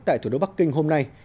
tại thủ đô bắc kinh hôm nay